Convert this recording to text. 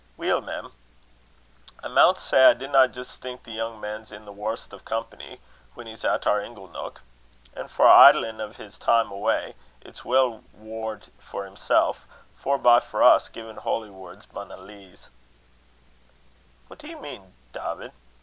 "Weel, mem, I maun say I dinna jist think the young man's in the warst o' company, when he's at our ingle neuk. An' for idlin' o' his time awa', it's weel waurd for himsel', forby for us, gin holy words binna lees." "What do ye mean, Dawvid?"